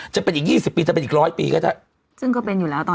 จะเป็นอีก๒๐ปีถ้าเป็นอีก๑๐๐ปีก็ได้